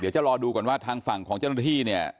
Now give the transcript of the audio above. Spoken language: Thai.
จะรอดูก่อนว่าทางฝั่งของเจ้าหน้าที่เนี่ย